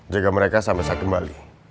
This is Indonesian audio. jaga mereka sampai saat kembali